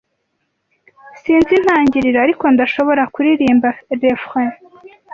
Sinzi intangiriro, ariko ndashobora kuririmba refrain.